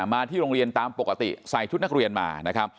มาที่โรงเรียนตามปกติใส่ชุดนักเรียนมานะครับ